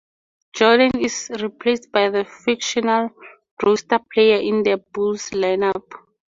Jordan is replaced by the fictional "Roster Player" in the Bulls lineup.